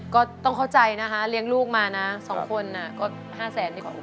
ก็ต้องเข้าใจนะฮะเลี้ยงลูกมานะสองคนน่ะก็ห้าแสนกว่าโอเคอ่ะนะฮะ